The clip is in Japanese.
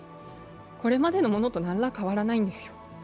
これまでのものと何ら変わらないんですよ。